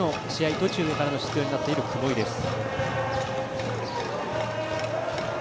途中からの出場となっている雲井です。